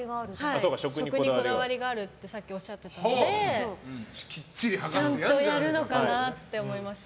食にこだわりがあるってさっきおっしゃってたのでちゃんとやるのかなと思いました。